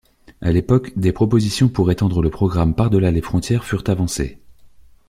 À l'époque, des propositions pour étendre le programme par-delà les frontières furent avancées.